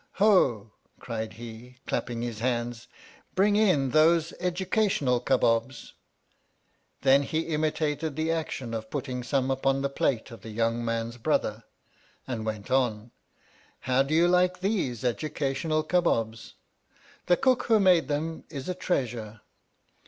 Ho ! cried he, clapping his hands, bring in those Educational Kabobs. Then, he imitated the action of putting some upon the plate of the young man's brother, and went on. How do you like these Educa tional Kabobs ? The cook who made them is a treasure.